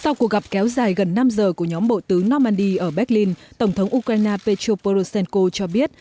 sau cuộc gặp kéo dài gần năm giờ của nhóm bộ tứ normandy ở berlin tổng thống ukraine petro poroshenko cho biết